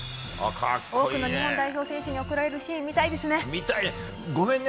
多くの日本代表選手に贈られるシーン、見たいですね。